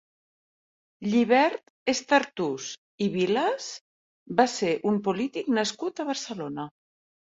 Llibert Estartús i Vilas va ser un polític nascut a Barcelona.